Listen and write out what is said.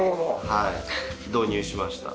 はい導入しました。